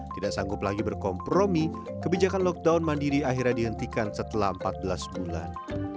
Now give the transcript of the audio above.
tidak sanggup lagi berkompromi kebijakan lockdown mandiri akhirnya dihentikan setelah empat belas bulan